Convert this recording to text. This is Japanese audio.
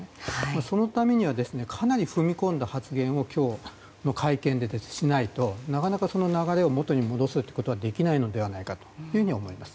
そのためにはかなり踏み込んだ発言を今日の会見でしないとなかなか、その流れを元に戻すということはできないのではないかと思います。